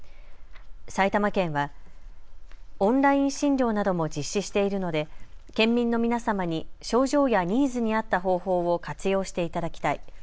埼玉県はオンライン診療なども実施しているので県民の皆様に症状やニーズに合った方法を活用していただきたい。